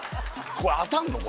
これ当たんの？